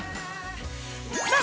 ◆さあ